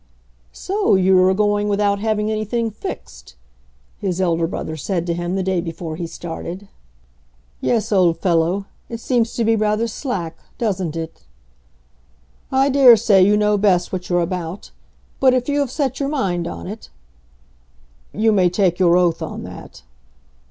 "So you are going without having anything fixed," his elder brother said to him the day before he started. "Yes, old fellow. It seems to be rather slack; doesn't it?" "I dare say you know best what you're about. But if you have set your mind on it " "You may take your oath on that."